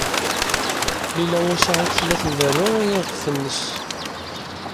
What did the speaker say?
Lila u Saɛid tella tberru i yiɣef-nnes.